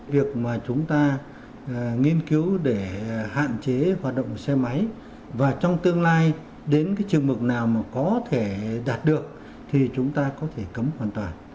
việc mà chúng ta nghiên cứu để hạn chế hoạt động xe máy và trong tương lai đến cái trường mực nào mà có thể đạt được thì chúng ta có thể cấm hoàn toàn